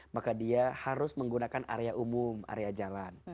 maka dia harus menggunakan area umum area jalan